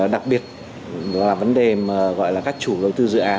đặc biệt là vấn đề mà gọi là các chủ đầu tư dự án